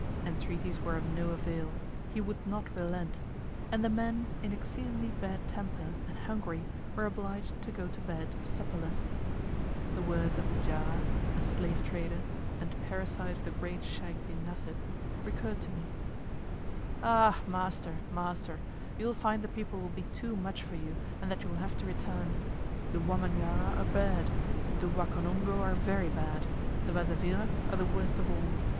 Entreaties were of no avail, he would not relent; and the men, in exceedingly bad temper, and hungry, were obliged to go to bed supperless. The words of Njara, a slave trader, and parasite of the great Sheikh bin Nasib, recurred to me. "Ah, master, master, you will find the people will be too much for you, and that you will have to return. The Wa manyara are bad, the Wakonongo are very bad, the Wazavira are the worst of all.